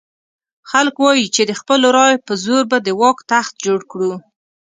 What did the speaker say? خلک وایي چې د خپلو رایو په زور به د واک تخت جوړ کړو.